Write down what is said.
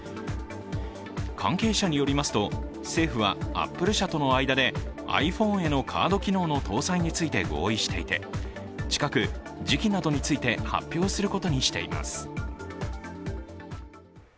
関係者によりますと、政府はアップル社との間でｉＰｈｏｎｅへのカード機能の搭載について合意していて近く時期などについて発表することにしています。